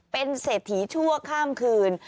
เป็นเศรษฐีชั่วข้ามคืน